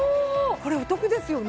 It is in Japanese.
これお得ですよね。